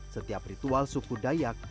setiap ritual suku dayak